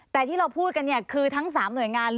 แต่ที่เราพูดกันเนี่ยคือทั้ง๓หน่วยงาน